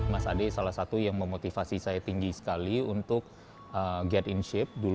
mas ade salah satu yang memotivasi saya tinggi sekali untuk get inship